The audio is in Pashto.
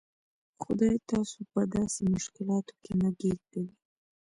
خدای تاسو په داسې مشکلاتو کې نه ګیر کوي.